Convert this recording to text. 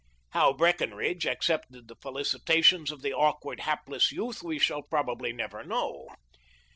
How Breckenridge accepted the felicitations of the awkward, hapless youth we shall probably never know.